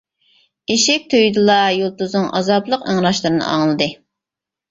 ئىشىك تۈرىدىلا يۇلتۇزنىڭ ئازابلىق ئىڭراشلىرىنى ئاڭلىدى.